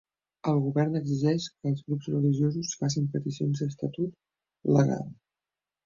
El govern exigeix que els grups religiosos facin peticions d'estatut legal.